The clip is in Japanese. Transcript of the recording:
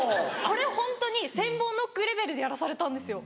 これをホントに千本ノックレベルでやらされたんですよ。